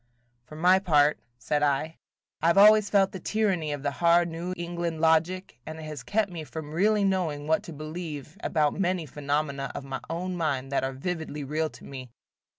"For my part," said I, "I have always felt the tyranny of the hard New England logic, and it has kept me from really knowing what to believe about many phenomena of my own mind that are vividly real to me."